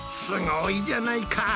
すごいじゃないか！